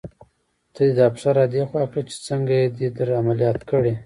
ته دې دا پښه را دې خوا کړه چې څنګه دې در عملیات کړې.